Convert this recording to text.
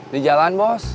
di jalan bos